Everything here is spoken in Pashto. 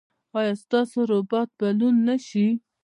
ایا ستاسو باروت به لوند نه شي؟